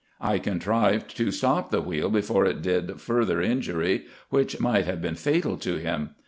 I contrived to stop the wheel before it did farther injury, which might have been fatal to him.